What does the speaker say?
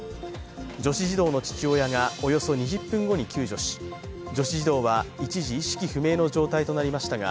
女子児童の父親がおよそ２０分後に救助し女子児童は一時、意識不明の状態となりましたが、